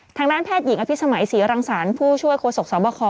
ทางด้านแพทย์หญิงอภิษฐภัยศรีรังศาลผู้ช่วยโครสกษัตริย์สำวคร